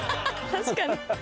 確かに。